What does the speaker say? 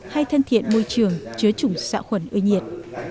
hay thân thiện môi trường chứa chủng xạ khuẩn ưa nhiệt